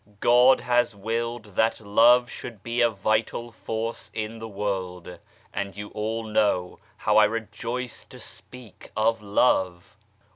God has willed that Love should be a vital force in the world, and you all know how I rejoice to speak of Love.